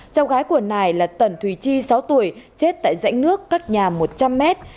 cháu gái của nải là tần thùy chi sáu tuổi chết tại dãy nước cách nhà một trăm linh mét